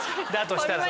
としたら。